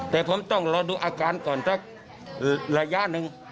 แต่ผมต้องรอดูอาการก่อนละยะนึง